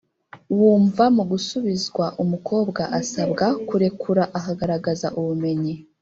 wumva mu gusubizwa umukobwa asabwa kwirekura akagaragaza ubumenyi